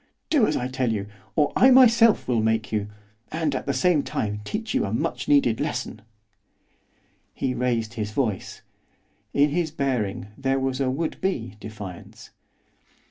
Do as I tell you, or I myself will make you, and, at the same time, teach you a much needed lesson.' He raised his voice. In his bearing there was a would be defiance.